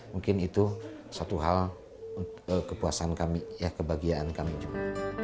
mungkin itu satu hal kepuasan kami ya kebahagiaan kami juga